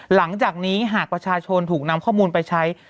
หลังจากนี้หากประชาชนถูกนำข้อมูลไปใช้